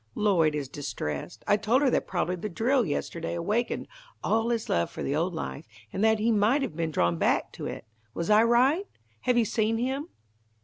Lloyd is distressed. I told her that probably the drill yesterday awakened all his love for the old life, and that he might have been drawn back to it. Was I right? Have you seen him?"